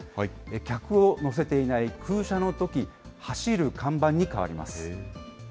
客を乗せていない空車のとき、走る看板に変わります。